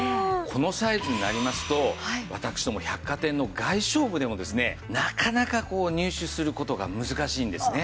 このサイズになりますと私ども百貨店の外商部でもですねなかなか入手する事が難しいんですね。